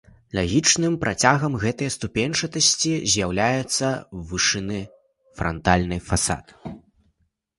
Лагічным працягам гэтай ступеньчатасці з'яўляецца вышынны франтальны фасад.